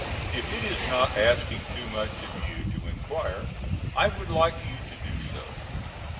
If it is not asking too much of you to enquire I would like you to do so.